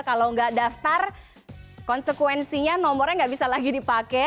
kalau nggak daftar konsekuensinya nomornya nggak bisa lagi dipakai